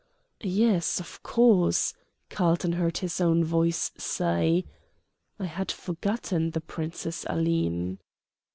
"Yes, of course," Carlton heard his own voice say. "I had forgotten the Princess Aline."